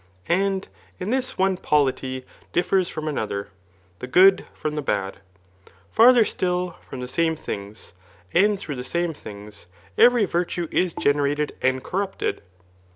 And in tWs one polity differs from another, the good from the^ bad. Farther still, from the same things, aftd through the same thinjgs, every virtue is generated and dorruptcd^ a Digitized by Google 9^^fk